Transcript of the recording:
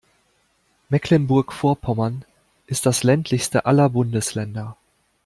Mecklenburg-Vorpommern ist das ländlichste aller Bundesländer.